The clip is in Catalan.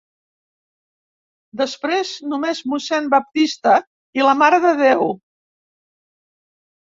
Després, només mossèn Baptista i la mare de Déu.